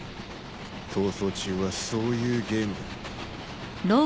逃走中はそういうゲームだ。